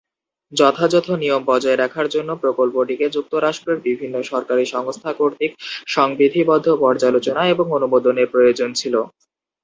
যথাযথ নিয়ম বজায় রাখার জন্য প্রকল্পটিকে যুক্তরাষ্ট্রের বিভিন্ন সরকারি সংস্থা কর্তৃক সংবিধিবদ্ধ পর্যালোচনা এবং অনুমোদনের প্রয়োজন ছিল।